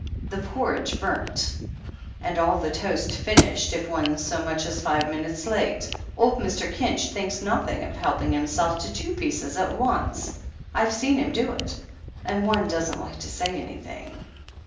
"The porridge burnt " "And all the toast finished, if one's so much as five minutes late. ... Old Mr. Kinch thinks nothing of helping himself to two pieces at once — I've seen him do it. And one doesn't like to say anything."